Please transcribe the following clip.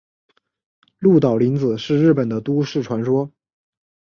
鹿岛零子是日本的都市传说。